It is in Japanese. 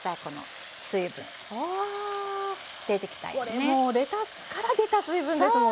これもうレタスから出た水分ですもんね。